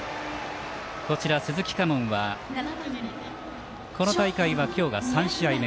鈴木佳門はこの大会は今日が３試合目